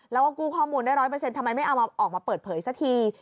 แล้วก็กู้ข้อมูลได้ร้อยเปอร์เซ็นต์ทำไมไม่เอาออกมาเปิดเผยสักที